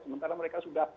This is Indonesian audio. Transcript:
sementara mereka sudah